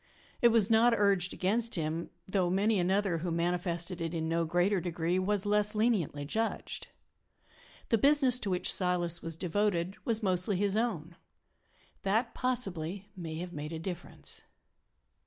It was not urged against him, though many another, who manifested it in no greater degree, was less leniently judged. The business to which Silas was devoted was mostly his own that, possibly, may have made a difference.